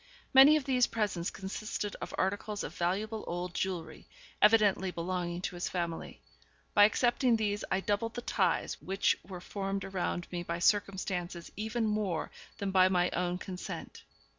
Many of these presents consisted of articles of valuable old jewellery, evidently belonging to his family; by accepting these I doubled the ties which were formed around me by circumstances even more than by my own consent.